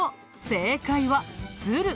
正解は鶴。